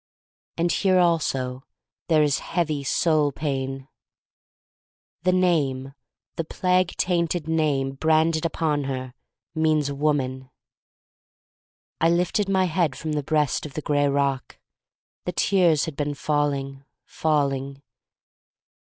And here also there is heavy soul pain. The name — the plague tainted name branded upon her — means woman. I lifted my head from the breast of the gray rock. The tears had been falling, falling.